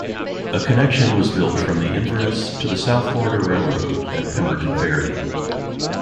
A connection was built from Inverness to the South Florida Railroad at Pemberton Ferry.